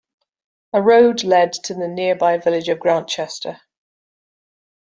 A road led to the nearby village of Grantchester.